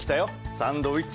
サンドイッチ。